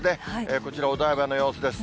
こちらお台場の様子です。